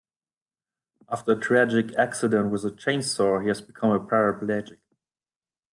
After a tragic accident with a chainsaw he has become a paraplegic.